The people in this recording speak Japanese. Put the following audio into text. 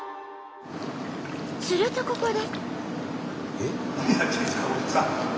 するとここで。